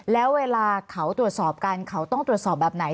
แล้วเวลาเขาตรวจสอบกันเขาต้องตรวจสอบแบบไหน